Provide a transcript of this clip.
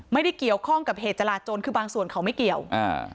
ไม่ได้เกี่ยวข้องกับเหตุจราจนคือบางส่วนเขาไม่เกี่ยวอ่า